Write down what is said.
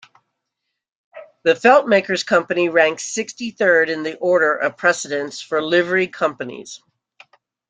The Feltmakers' Company ranks sixty-third in the order of precedence for Livery Companies.